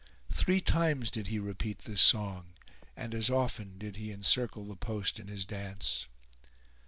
Three times did he repeat this song, and as often did he encircle the post in his dance.